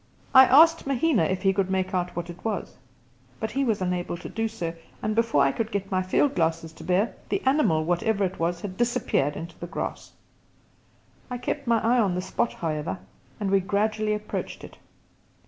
I asked Mahina if he could make out what it was, but he was unable to do so, and before I could get my field glasses to bear, the animal, whatever it was, had disappeared into the grass. I kept my eye on the spot, however, and we gradually approached it.